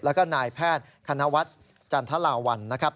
แล้วก็นายแพทย์คณวัฒน์จันทราวัลนะครับ